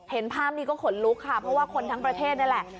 เห็นภาพนี้ก็ขนลุกค่ะเพราะว่าคนทั้งประเทศนี่แหละ